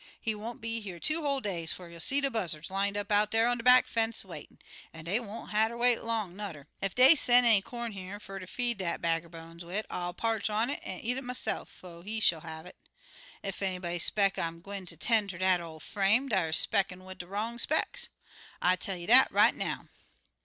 He won't be here two whole days 'fo' you'll see de buzzards lined up out dar on de back fence waitin', an' dey won't hatter wait long nudder. Ef dey sen' any corn here fer ter feed dat bag er bones wid, I'll parch it an' eat it myse'f 'fo' he shill have it. Ef anybody 'speck I'm gwine ter 'ten' ter dat ol' frame, deyer 'speckin' wid de wrong specks, I tell you dat right now.'